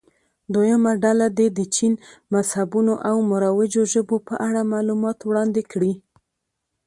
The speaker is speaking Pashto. دویمه ډله دې د چین مذهبونو او مروجو ژبو په اړه معلومات وړاندې کړي.